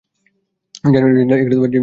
জানি না কে অসুস্থ।